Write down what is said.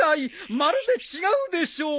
まるで違うでしょう。